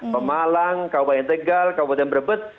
pemalang kabupaten tegal kabupaten brebes